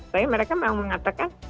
tapi mereka mau mengatakan